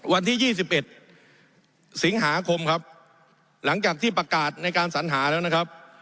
วันที่๒๑สิงหาคมครับหลังจากที่ประกาศในการสัญหาแล้วนะครับ